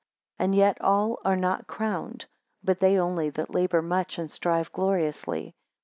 11 And yet all are not crowned, but they only that labour much, and strive gloriously.